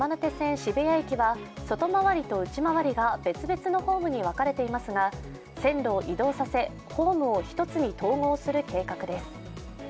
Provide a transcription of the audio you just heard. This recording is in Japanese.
渋谷駅は外回りと内回りが別々のホームに分かれていますが線路を移動させホームを１つに統合する計画です。